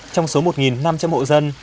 trong số một năm trăm linh hộ dân